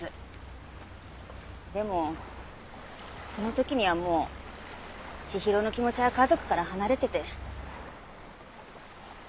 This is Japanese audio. でもその時にはもう千尋の気持ちは家族から離れてて。